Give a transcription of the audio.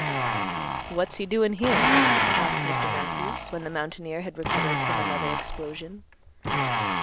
"What's he doin' here?" asked Mr. Matthews, when the mountaineer had recovered from another explosion.